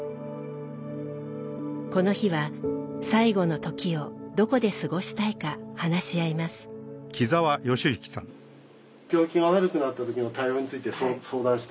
この日は「最後のときをどこで過ごしたいか」話し合います。